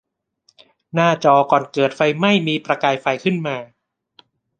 หน้าจอก่อนเกิดไฟไหม้มีประกายไฟขึ้นมา